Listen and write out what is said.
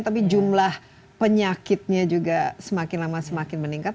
tapi jumlah penyakitnya juga semakin lama semakin meningkat